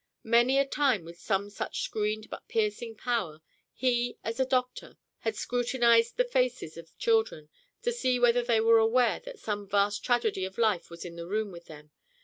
Many a time with some such screened but piercing power he, as a doctor, had scrutinized the faces of children to see whether they were aware that some vast tragedy of life was in the room with them.